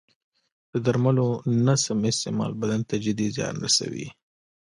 د درملو نه سم استعمال بدن ته جدي زیان رسوي.